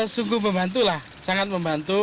sungguh membantu lah sangat membantu